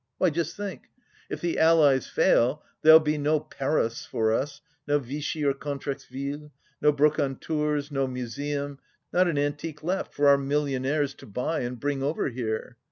Why, just think ! If the Allies fail there'll be no " Parus " for us, no Vichy or Contrexeville, no brocanteurs, no museum, not an antique left for our million aires to buy and bring over here.